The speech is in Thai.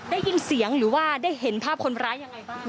ได้ยินเสียงหรือว่าได้เห็นภาพคนร้ายยังไงบ้าง